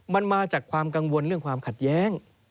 มันมาจากความกังวลเรื่องความขัดแย้ง